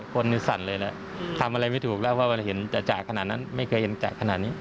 คนนี้สั่นเลยนะทำอะไรไม่ถูกแล้วเพราะว่าเห็นจ่ะขนาดนั้นไม่เคยเห็นจ่ะขนาดนี้